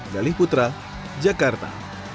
dali putra jakarta